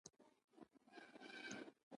رومي وایي تاسو پټ او قیمتي الماس یاست.